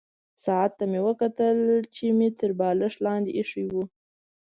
ساعت ته مې وکتل چې مې تر بالښت لاندې ایښی وو.